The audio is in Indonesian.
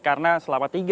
karena selamat tinggal